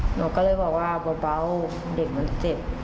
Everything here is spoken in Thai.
หนูก็เลยบอกว่าเบาเด็กมันเจ็บ